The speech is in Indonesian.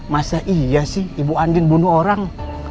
masa iya sih ibu andin bunuh orang